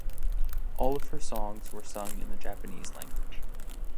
All of her songs were sung in the Japanese language.